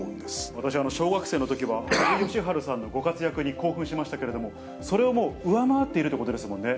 私、小学生のときは、羽生善治さんのご活躍に興奮しましたけれども、それをもう、上回っているということですもんね。